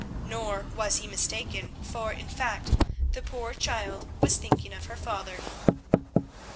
Nor was he mistaken, for, in fact, the poor child was thinking of her father.